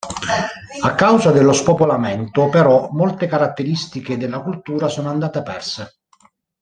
A causa dello spopolamento però, molte caratteristiche della cultura sono andate perse.